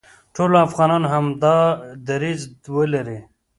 ټول افغانان همدا دریځ ولري،